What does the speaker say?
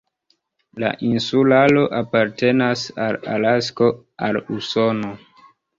La insularo apartenas al Alasko, al Usono.